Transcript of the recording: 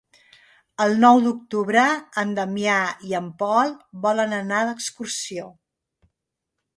El nou d'octubre en Damià i en Pol volen anar d'excursió.